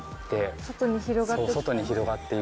外に広がって。